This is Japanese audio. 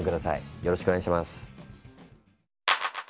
よろしくお願いします。